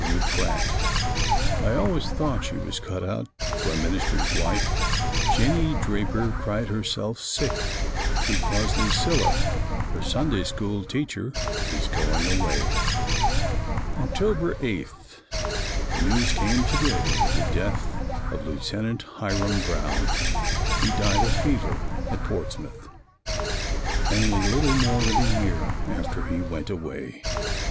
W. Pratt. I always thought she was cut out for a minister's wife. Jennie Draper cried herself sick because Lucilla, her Sunday School teacher, is going away. October 8. News came to day of the death of Lieutenant Hiram Brown. He died of fever at Portsmouth, only little more than a year after he went away.